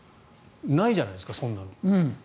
ないじゃないですか、そんなの。